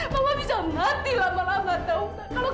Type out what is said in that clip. sumpah mama mati mama udah gak kuat lagi